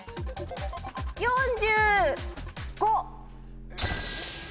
４５。